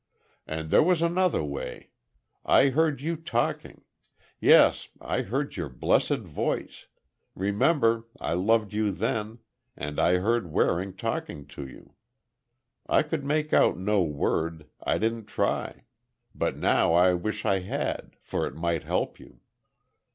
"And there was another way. I heard you talking. Yes, I heard your blessed voice—remember, I loved you then—and I heard Waring talking to you. I could make out no word—I didn't try—but now I wish I had—for it might help you."